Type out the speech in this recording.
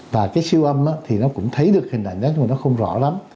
và cái siêu âm thì nó cũng thấy được hình ảnh đó nhưng mà nó không rõ lắm